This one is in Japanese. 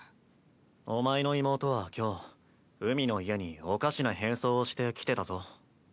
お前の妹は今日海の家におかしな変装をして来てたぞ。